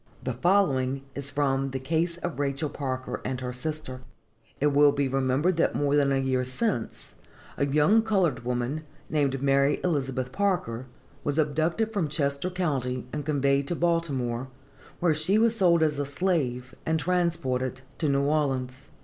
The following is from THE CASE OF RACHEL PARKER AND HER SISTER.... It will be remembered that more than a year since a young colored woman, named Mary Elizabeth Parker, was abducted from Chester county and conveyed to Baltimore, where she was sold as a slave, and transported to New Orleans.